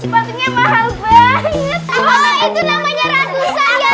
oh itu namanya ratusan ya amalia